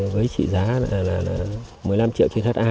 với trị giá là một mươi năm triệu trên thắt a